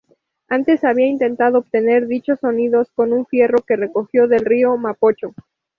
Antes había intentado obtener dichos sonidos con un fierro que recogió del río Mapocho.